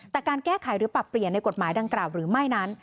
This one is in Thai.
แต่การแก้ไขหรือปรับเปลี่ยนในกฎหมายดังกล่าวหรือไม่นั้น